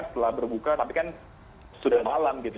setelah berbuka tapi kan sudah malam gitu